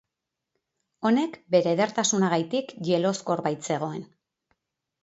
Honek bere edertasunagatik jeloskor baitzegoen.